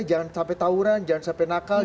jangan sampai tawuran jangan sampai nakal